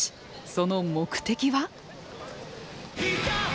その目的は。